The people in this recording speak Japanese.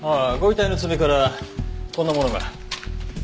ご遺体の爪からこんなものが。